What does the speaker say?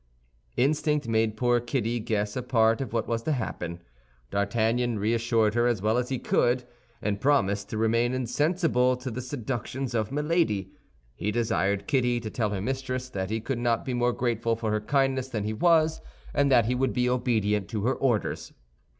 Instinct made poor Kitty guess a part of what was to happen. D'Artagnan reassured her as well as he could, and promised to remain insensible to the seductions of Milady. He desired Kitty to tell her mistress that he could not be more grateful for her kindnesses than he was, and that he would be obedient to her orders.